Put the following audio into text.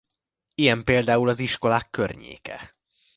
Ilyen például az iskolák környéke.